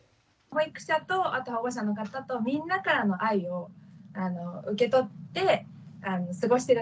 保育者と保護者の方とみんなからの愛を受け取って過ごしてるんだなって